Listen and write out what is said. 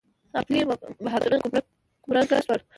عقلي مبحثونه کمرنګه شول.